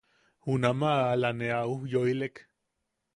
Junama ala ne a ujyooilek.